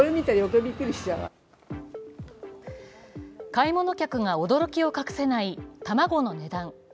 買い物客が驚きを隠せない卵の値段。